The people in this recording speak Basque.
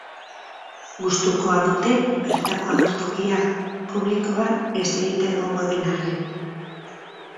Gustukoa dute bertako agertokia, publikoa eserita egongo den arren.